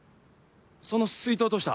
その水筒どうした？